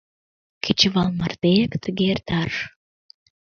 Кечывал мартеак тыге эртарыш...